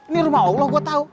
ini rumah allah gua tau